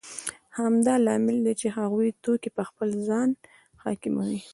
همدا لامل دی چې هغوی توکي په خپل ځان حاکموي